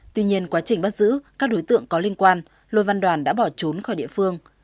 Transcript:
tuy nhiên quá trình bắt giữ các đối tượng có liên quan lô văn đoàn đã bỏ trốn khỏi địa phương